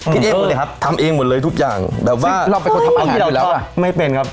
คิดเองเลยครับทำเองหมดเลยทุกอย่างแบบว่าเราไปทดทำอาหารด้วยแล้วไม่เป็นครับ